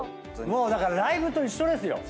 だからライブと一緒ですよ